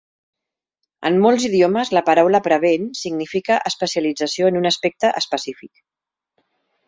En molts idiomes la paraula "praveen" significa especialització en un aspecte específic.